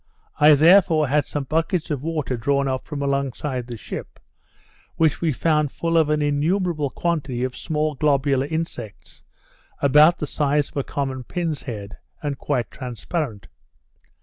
I therefore had some buckets of water drawn up from alongside the ship, which we found full of an innumerable quantity of small globular insects, about the size of a common pin's head, and quite transparent.